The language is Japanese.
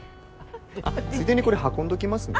ついでにこれ運んどきますね。